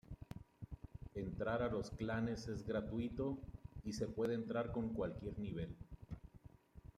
Entrar a los clanes es gratuito y se puede entrar con cualquier nivel.